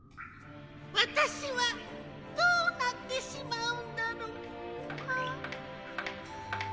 わたしはどうなってしまうんだろう？ああ。